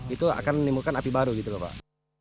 itu akan menimbulkan api baru gitu loh pak